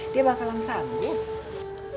dia bakalan sanggup